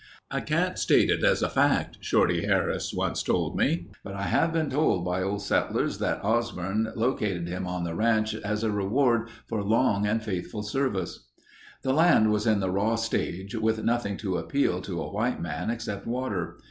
"I can't state it as a fact," Shorty Harris once told me, "but I have been told by old settlers that Osborn located him on the ranch as a reward for long and faithful service." The land was in the raw stage, with nothing to appeal to a white man except water.